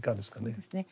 そうですね。